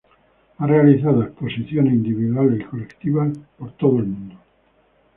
Ha realizado exposiciones individuales y colectivas por todo el mundo.